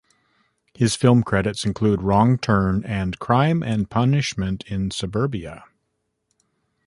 His film credits include "Wrong Turn" and "Crime and Punishment in Suburbia".